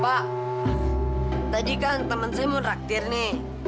pak tadi kan temen saya mau ngeraktir nih